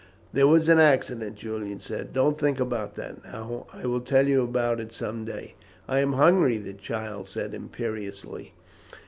"There was an accident," Julian said. "Don't think about that now. I will tell you about it some day." "I am hungry," the child said imperiously.